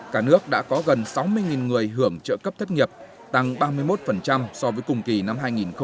cả nước đã có gần sáu mươi người hưởng trợ cấp thất nghiệp tăng ba mươi một so với cùng kỳ năm hai nghìn một mươi chín